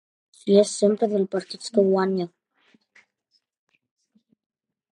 Sies sempre del partit que guanya.